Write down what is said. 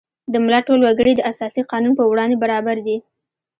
د ملت ټول وګړي د اساسي قانون په وړاندې برابر دي.